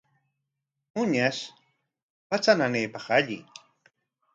Muñash patra nanaypaqqa alli.